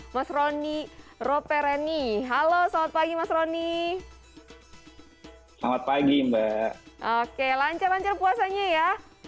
mas roni ropereni halo selamat pagi mas roni selamat pagi mbak oke lancar lancar puasanya ya